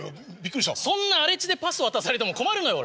そんな荒れ地でパス渡されても困るのよ俺。